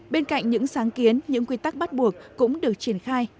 bên cạnh những sáng kiến những quy tắc bắt buộc cũng được triển khai